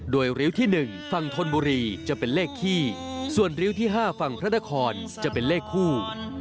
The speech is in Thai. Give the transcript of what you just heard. โดยเรือที่หนึ่งฝั่งทนบุรีจะเป็นเลขขี้ส่วนเรือที่ห้าฝั่งพระนครจะเป็นเลขคู่